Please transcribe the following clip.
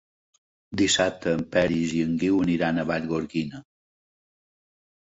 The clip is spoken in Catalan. Dissabte en Peris i en Guiu aniran a Vallgorguina.